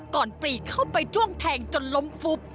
ก่อนปลีกเข้าไปจวงแทงจนล้มฟุบ